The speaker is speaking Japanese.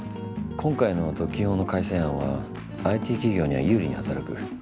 今回の独禁法の改正案はＩＴ企業には有利に働く。